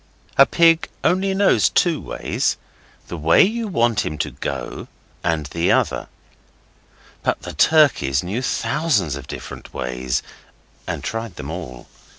A pig only knows two ways the way you want him to go, and the other. But the turkeys knew thousands of different ways, and tried them all.